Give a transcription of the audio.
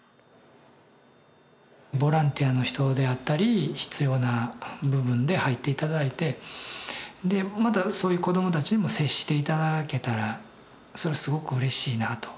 ボランティアの人であったり必要な部分で入って頂いてでまたそういう子どもたちにも接して頂けたらそれすごくうれしいなと。